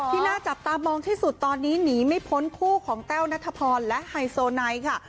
น่าจับตามองที่สุดตอนนี้หนีไม่พ้นคู่ของแต้วนัทพรและไฮโซไนค่ะ